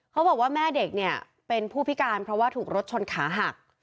เขาบอกว่าแม่เด็กเนี่ยเป็นผู้พิการเพราะว่าถูกรถชนขาหัก